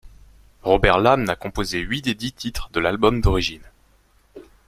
Robert Lamm a composé huit des dix titres de l'album d'origine.